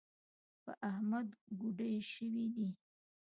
په احمد کوډي شوي دي .